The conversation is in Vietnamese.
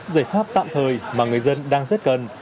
giải pháp tạm thời mà người dân đang rất cần